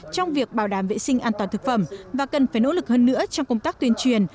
trong việc bảo đảm vệ sinh an toàn thực phẩm và cần phải nỗ lực hơn nữa trong công tác tuyên truyền